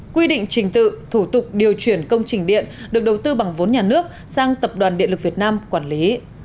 quy định trình tự thủ tục điều chuyển công trình điện được đầu tư bằng vốn nhà nước sang tập đoàn điện lực việt nam quản lý